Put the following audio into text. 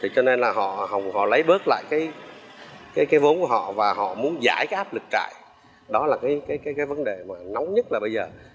cho nên là họ lấy bớt lại cái vốn của họ và họ muốn giải cái áp lịch trại